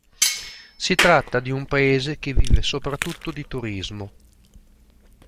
Si tratta di un paese che vive soprattutto di turismo.